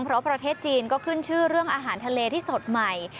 เพราะประเทศจีนก็ขึ้นชื่อเรื่องอาหารทะเลที่สดใหม่